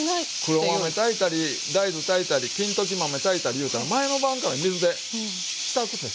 黒豆炊いたり大豆炊いたり金時豆炊いたりいうたら前の晩から水で浸すでしょ。